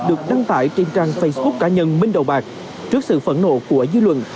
được đăng tải trên trang facebook cá nhân minh đầu bạc trước sự phẫn nộ của dư luận